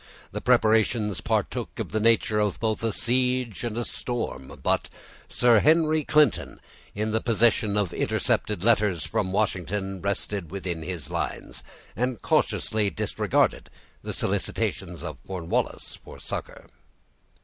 The preparations partook of the nature of both a siege and a storm. But Sir Henry Clinton, in the possession of intercepted letters from Washington, rested within his lines, and cautiously disregarded the solicitations of Cornwallis for succor.